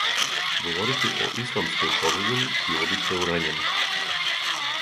Говорити о исламској позадини било би преурањено.